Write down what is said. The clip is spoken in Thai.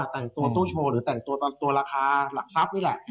แต่งตัวตู้โชว์หรือแต่งตัวราคาหลักทรัพย์นี่แหละ